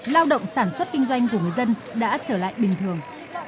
lao động sản xuất kinh doanh của người dân đã trở lại bình thường